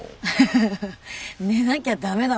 フフフフ寝なきゃ駄目だもん。